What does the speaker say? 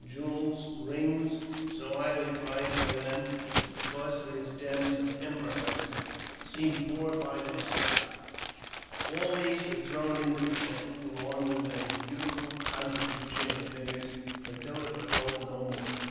265 jewels, rings so highly prized by them that the costliest gems of emperors seemed poor by their side — all these were thrown into the kettle, along with a bountiful contribution of fingers, until it would hold no more.